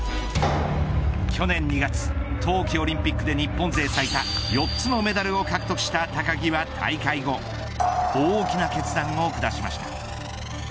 去年２月、冬季オリンピックで日本勢最多４つのメダルを獲得した高木は大会後大きな決断を下しました。